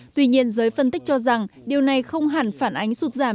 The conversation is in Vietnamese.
tuy nhiên giới phân tích cho rằng điều này không hẳn phản ánh sụt giảm